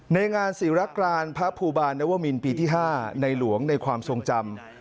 ในงานศิรกรานพระภูบาลนวมินปีที่๕ในหลวงในความทรงจำ